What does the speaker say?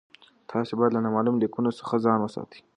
تاسي باید له نامعلومو لینکونو څخه ځان وساتئ.